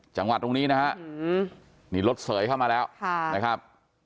จังหวัดตรงนี้นะฮะนี่รถเสยเข้ามาแล้วนะครับ